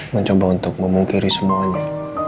mencoba untuk memungkiri semuanya